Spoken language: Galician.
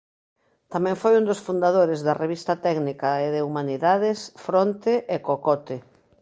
Tamén foi un dos fundadores da revista técnica e de humanidades "Fronte e Cocote".